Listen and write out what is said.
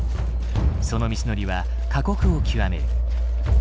その道のりは過酷を極める。